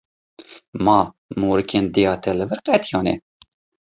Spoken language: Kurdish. Ma morîkên dêya te li vir qetiyane.